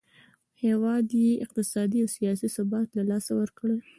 هیواد یې اقتصادي او سیاسي ثبات له لاسه ورکړی.